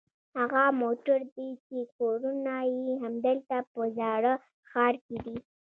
هغه موټر دي چې کورونه یې همدلته په زاړه ښار کې دي.